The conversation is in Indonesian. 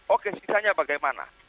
oke sisanya bagaimana